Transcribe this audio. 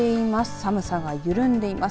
寒さが緩んでいます。